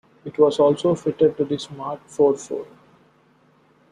It was also fitted to the Smart Forfour.